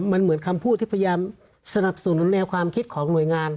มันเหมือนคำพูดที่พยายามสนับสนุนแนวความคิดของหน่วยงาน